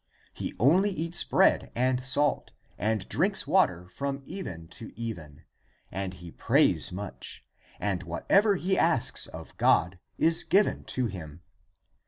He only eats bread and salt, and drinks water from even to even ; and he prays much, and whatever he asks of God is given to him.